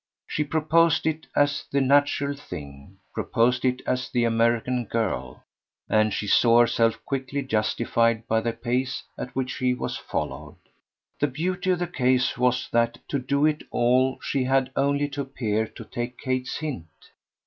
She proposed it as the natural thing proposed it as the American girl; and she saw herself quickly justified by the pace at which she was followed. The beauty of the case was that to do it all she had only to appear to take Kate's hint.